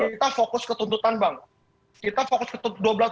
kita fokus ke tuntutan dulu bang kita fokus ke tuntutan bang